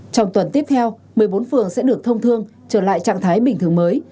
trong tuần tiếp theo một mươi bốn phường sẽ được thông thương trở lại trạng thái bình thường mới